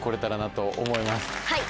はい！